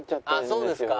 そうですか。